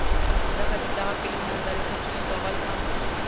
ځکه د دغه فلم نندارې ته پېش کول هم